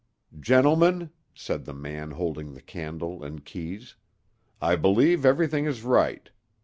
"Gentlemen," said the man holding the candle and keys, "I believe everything is right.